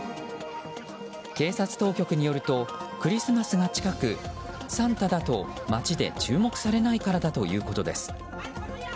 警察当局によるとクリスマスが近くサンタだと街で注目されないからだということです。